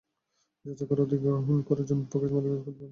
যাচাই করেই অধিগ্রহণ করা জমির প্রকৃত মালিকদের ক্ষতিপূরণের টাকা দেওয়া হবে।